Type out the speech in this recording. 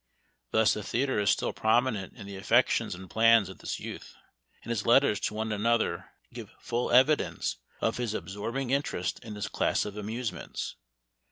Thus the theater is still prominent in the affections and plans of this youth, and his letters to one and another give full evidence of his absorbing interest in this class of amusements.